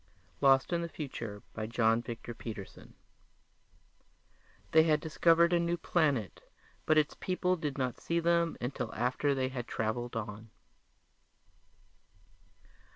_ lost in the future by ... John Victor Peterson They had discovered a new planet but its people did not see them until after they had traveled on.